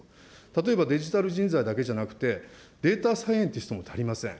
例えばデジタル人材だけじゃなくて、データサイエンティストも足りません。